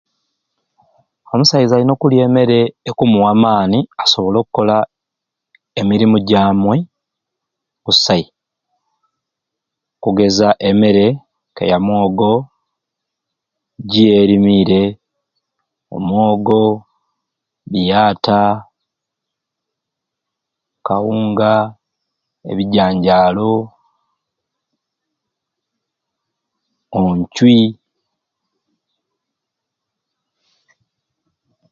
Omusaiza alina okulya emmere ekumuwa amaani asobole okkola emirimu gyamwe kusai. Kugeza emere ka ya mwogo giyerimiire, omwogo, biata, kawunga ebijanjaalo, oncwi,